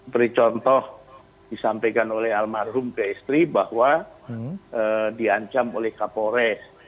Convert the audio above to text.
beri contoh disampaikan oleh almarhum ke istri bahwa diancam oleh kapolres